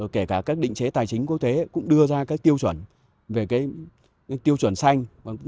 kể cả các định chế tài chính quốc tế cũng đưa ra các tiêu chuẩn về tiêu chuẩn xanh